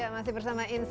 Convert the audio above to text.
masih bersama insight